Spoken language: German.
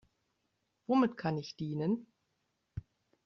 Womit kann ich dienen?